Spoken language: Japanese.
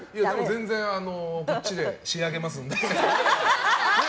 全然、こっちで仕上げますので。